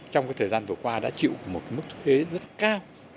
trong thời gian vừa qua đã chịu một mức thuế rất cao